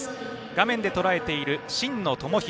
画面でとらえている真野友博。